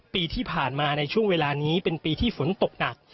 ปีที่ผ่านมาในช่วงเวลานี้เป็นปีที่ฝนตกหนัก